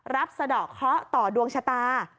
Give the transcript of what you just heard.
รับประสรรคต่อดวงชะตา